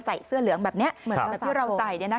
ใส่เสื้อเหลืองแบบนี้เหมือนแบบที่เราใส่